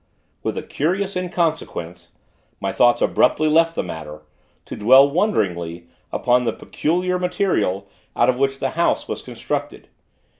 With a curious inconsequence, my thoughts abruptly left the matter; to dwell, wonderingly, upon the peculiar material, out of which the House was constructed.